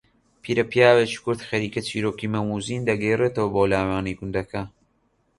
پیرەپیاوێکی کورد خەریکە چیرۆکی مەم و زین دەگێڕەتەوە بۆ لاوانی گوندەکە